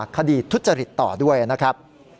คดีทุจริตต่อด้วยนะครับ